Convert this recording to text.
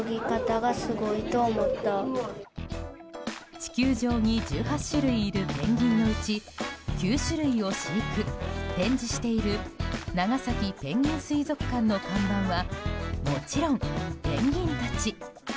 地球上に１８種類いるペンギンのうち９種類を飼育・展示している長崎ペンギン水族館の看板はもちろんペンギンたち。